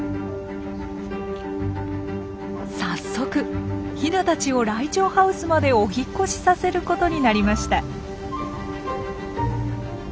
早速ヒナたちをライチョウハウスまでお引っ越しさせることになりました。